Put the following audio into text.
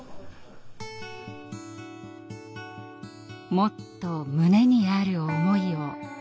「もっと胸にある思いを」。